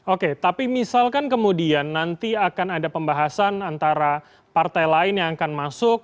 oke tapi misalkan kemudian nanti akan ada pembahasan antara partai lain yang akan masuk